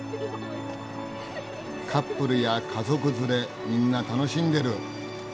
カップルや家族連れみんな楽しんでる。